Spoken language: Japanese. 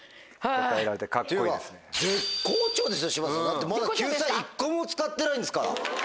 だってまだ救済１個も使ってないんですから。